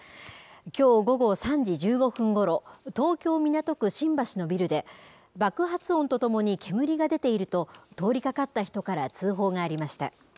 きょう午後３時１５分ごろ、東京・港区新橋のビルで、爆発音とともに煙が出ていると、通りかかった人から通報がありました。